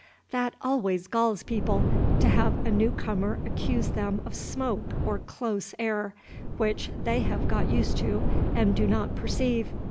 That always galls people, to have a new comer accuse them of smoke or close air, which they have got used to and do not perceive.